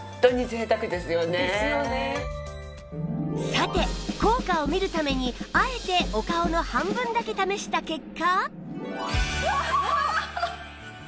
さて効果を見るためにあえてお顔の半分だけ試した結果